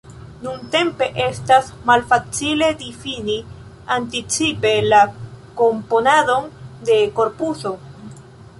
Nuntempe, estas malfacile difini anticipe la komponadon de korpuso.